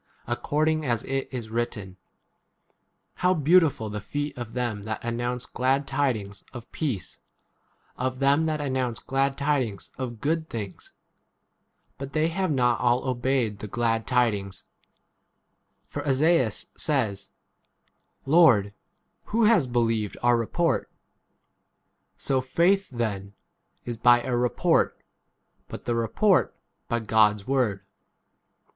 according as it is written, How beautiful the feet of them that announce glad tidings of peace, of them that announce glad 16 tidings of good things ! But they have not all obeyed the glad tidings. For Esaias says, Lord, l ? who has believed our report ? So faith then [is] by a report, but the 18 report by God's word.